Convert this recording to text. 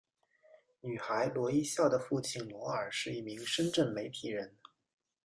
女孩罗一笑的父亲罗尔是一名深圳媒体人。